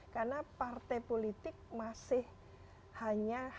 karena partai politik masih hanya hadir di politik